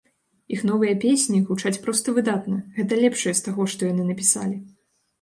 Іх новыя песні гучаць проста выдатна, гэта лепшае з таго, што яны напісалі.